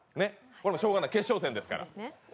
しようがない、決勝戦ですから。